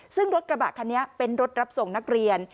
ซึ่งรถกระบะคันนี้เป็นรถรับส่งนักเรียน